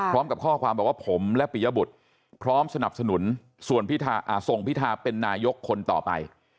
พร้อมกับข้อความบอกว่าผมและปิยบุตรพร้อมสนับสนุนส่วนส่งพิธาเป็นนายกคนต่อไป